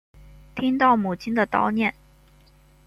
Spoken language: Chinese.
听到母亲的叨念